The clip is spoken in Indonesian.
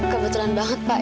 kebetulan banget pak